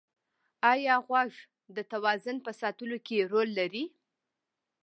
ایا غوږ د توازن په ساتلو کې رول لري؟